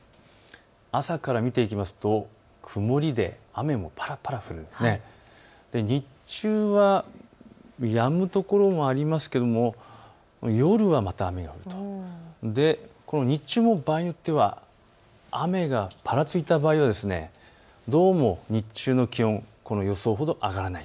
朝から見ていきますと、曇りで雨もぱらぱら降る、日中はやむ所もありますけれども夜はまた雨が降ると、日中も場合によっては雨がぱらついた場合、どうも日中の気温、予想ほど上がらない。